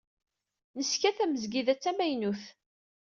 Neska tamezgida d tamaynut.